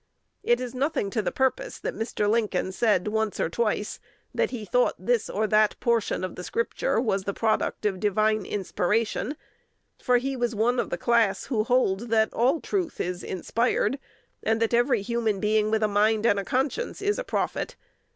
It is nothing to the purpose that Mr. Lincoln said once or twice that he thought this or that portion of the Scripture was the product of divine inspiration; for he was one of the class who hold that all truth is inspired, and that every human being with a mind and a conscience is a prophet.